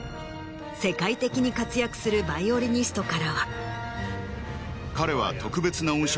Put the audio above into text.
世界的に活躍するヴァイオリニストからは。